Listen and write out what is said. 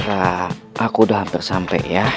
ya aku udah hampir sampai ya